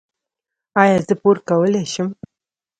ایا زه پور کولی شم؟